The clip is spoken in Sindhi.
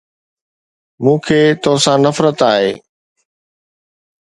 مون کي توسان نفرت آهي!